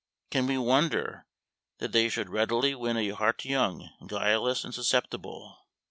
Can we wonder that they should readily win a heart young, guileless, and susceptible?